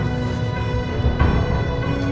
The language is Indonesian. ya kita berhasil